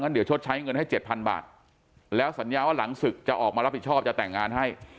เดี๋ยวชดใช้เงินให้เจ็ดพันบาทแล้วสัญญาว่าหลังศึกจะออกมารับผิดชอบจะแต่งงานให้